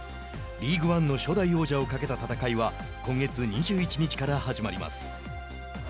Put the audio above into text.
リーグワンの初代王者をかけた戦いは今月２１日から始まります。